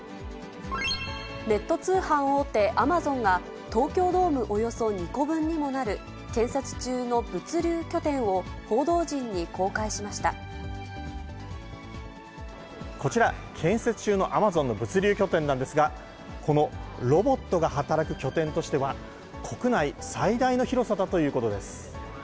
ネット通販大手、アマゾンが、東京ドームおよそ２個分にもなる建設中の物流拠点を、報道陣に公こちら、建設中のアマゾンの物流拠点なんですが、このロボットが働く拠点としては、国内最大の広さだということです。